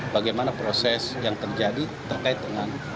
bagaimana proses yang terjadi terkait dengan